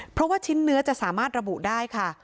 เพราะว่าชิ้นเนื้อจะสามารถระบุได้ค่ะ